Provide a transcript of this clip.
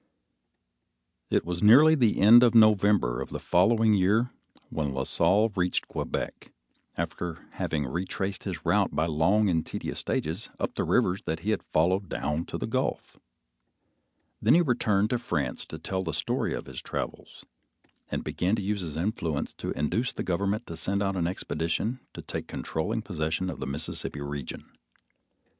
It was nearly the end of November of the following year, when La Salle reached Quebec, after having retraced his route by long and tedious stages up the rivers that he had followed down to the Gulf. Then he returned to France to tell the story of his travels, and began to use his influence to induce the government to send out an expedition to take controlling possession of the Mississippi region.